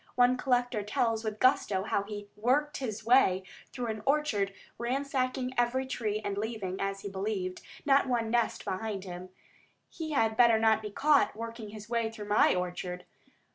One collector tells with gusto how he "worked his way" through an orchard, ransacking every tree, and leaving, as he believed, not one nest behind him. He had better not be caught working his way through my orchard.